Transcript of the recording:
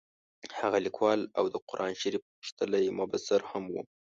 هغه لیکوال او د قران شریف غښتلی مبصر هم وو.